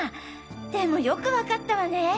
でもよくわかったわね。